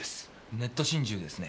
ネット心中ですね。